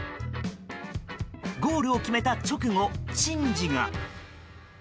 ゴールを決めた直後、珍事が。